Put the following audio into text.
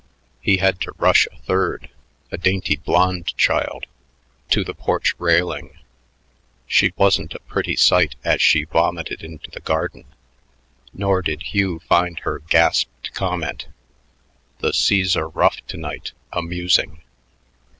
He had to rush a third, a dainty blond child, to the porch railing. She wasn't a pretty sight as she vomited into the garden; nor did Hugh find her gasped comment, "The seas are rough to night," amusing.